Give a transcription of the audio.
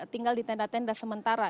tinggal di tenda tenda sementara